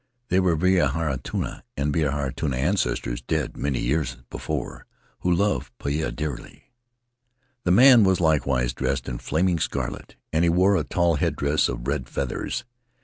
They were Vahinetua and Vivitautua, ancestors dead many years before, who loved Poia dearly. The man was likewise dressed in flaming scarlet, and he wore a tall headdress of red feathers.